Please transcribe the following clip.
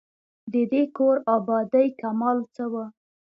د دې کور آبادۍ کمال څه وو.